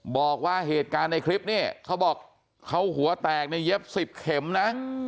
บอกว่าเหตุการณ์ในคลิปนี้เขาบอกเขาหัวแตกในเย็บ๑๐เข็มนะ